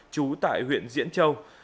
trú tại huyện diễn châu